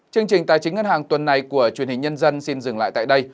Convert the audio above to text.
chương trình tài chính ngân hàng tuần này của truyền hình nhân dân xin dừng lại tại đây